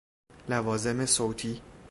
لوازم صوتی